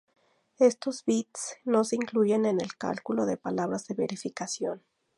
Estos bits no se incluyen en el cálculo de palabras de verificación.